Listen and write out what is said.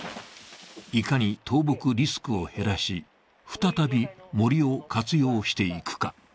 いかに倒木リスクを減らし再び森を活用していくか。